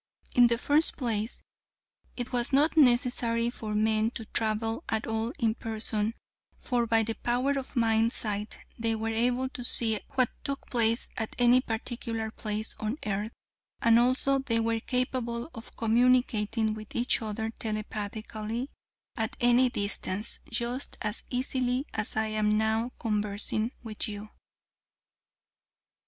In the first place, it was not necessary for men to travel at all in person, for by the power of mind sight they were able to see what took place at any particular place on earth, and also they were capable of communicating with each other telepathically at any distance just as easily as I am now conversing with you.